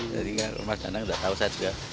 jadi pak danang nggak tahu saya juga